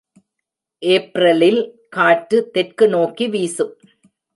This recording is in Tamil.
ஏப்ரலில் காற்று தெற்கு நோக்கி வீசும்.